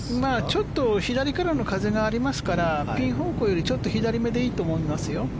ちょっと左からの風がありますからピン方向よりちょっと左めでいいと思いますよ。